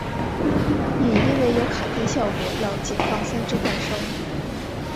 也有因为卡片效果要解放三只怪兽。